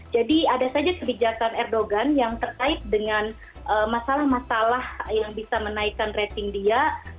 jadi ada saja kebijakan erdogan yang terkait dengan masalah masalah yang bisa menaikkan rating di negara